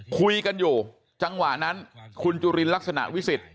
คุยกันอยู่จังหวะนั้นคุณจุลินลักษณะวิสิทธิ